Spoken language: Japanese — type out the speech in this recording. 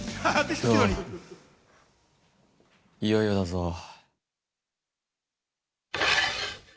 いよいよだぞ。